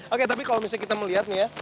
oke tapi kalau misalnya kita melihat nih ya